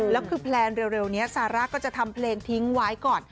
แล้วคือแพลนเร็วนี้ซาร่าก็จะทำเพลงทิ้งไว้ก่อน